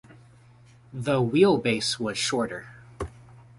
The wheelbase was shorter.